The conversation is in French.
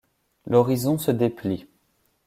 L'horizon se déplie.